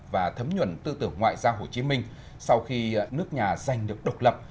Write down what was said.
và thấm nhuận tư tưởng ngoại giao hồ chí minh sau khi nước nhà giành được độc lập